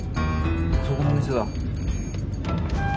そこの店だ。